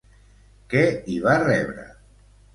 Què hi va rebre?